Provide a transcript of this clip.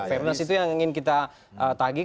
fairness itu yang ingin kita tagih